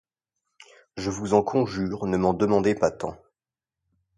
Je vous en conjure, ne me demandez pas tant.